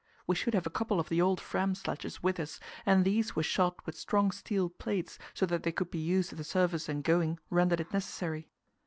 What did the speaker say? We should have a couple of the old Fram sledges with us, and these were shod with strong steel plates, so that they could be used if the surface and going rendered it necessary.